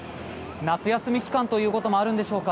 夏休み期間ということもあるんでしょうか。